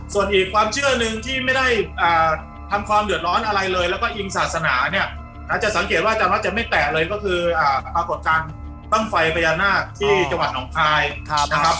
ส่วนอีกความเชื่อหนึ่งที่ไม่ได้ทำความเดือดร้อนอะไรเลยแล้วก็อิงศาสนาเนี่ยอาจจะสังเกตว่าอาจารย์วัดจะไม่แตะเลยก็คือปรากฏการณ์บ้างไฟพญานาคที่จังหวัดหนองคายนะครับ